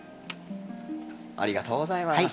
ありがとうございます。